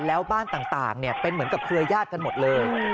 แล้วบ้านต่างเป็นเหมือนกับเครือญาติกันหมดเลย